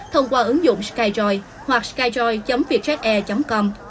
thông qua ứng dụng skyjoy hoặc skyjoy vietjetair com